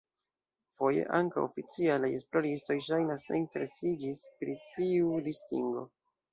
Foje, ankaŭ oficialaj esploristoj ŝajnas ne interesiĝis pri tiu distingo.